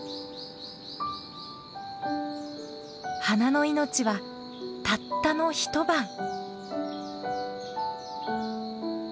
花の命はたったの一晩。